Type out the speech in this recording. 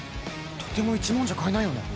とても１万じゃ買えないよね？